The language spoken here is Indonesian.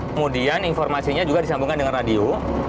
kemudian informasinya juga disambungkan dengan radio